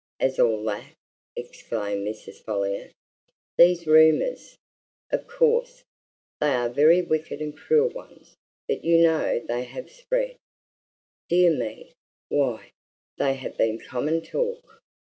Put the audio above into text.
as all that!" exclaimed Mrs. Folliot. "These rumours! of course, they are very wicked and cruel ones, but you know they have spread. Dear me! why, they have been common talk!"